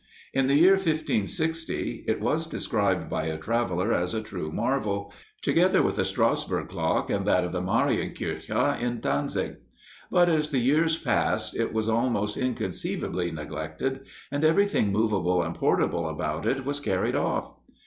In the year 1560, it was described by a traveler as a true marvel, together with the Strassburg clock and that of the Marienkirche in Dantzic. But as the years passed, it was most inconceivably neglected, and everything movable and portable about it was carried off.